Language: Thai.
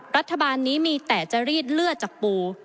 รัฐบาลนี้มีแต่จะรีดเลือดจากปู